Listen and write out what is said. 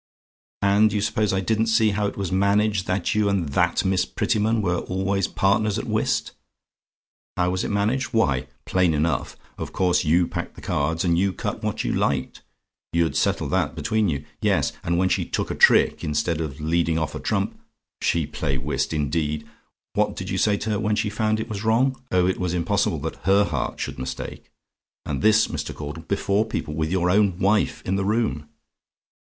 "And you suppose I didn't see how it was managed that you and THAT Miss Prettyman were always partners at whist? "HOW WAS IT MANAGED? "Why, plain enough. Of course you packed the cards, and could cut what you liked. You'd settled that between you. Yes; and when she took a trick, instead of leading off a trump she play whist, indeed! what did you say to her, when she found it was wrong? Oh it was impossible that HER heart should mistake! And this, Mr. Caudle, before people with your own wife in the room!